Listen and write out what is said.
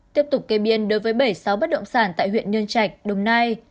tiếp tục kê biên đối với bảy sáu bất động sản tại huyện nhân trạch đồng nai